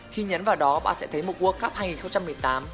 khi nhấn vào đó bạn sẽ thấy một world cup hai nghìn một mươi tám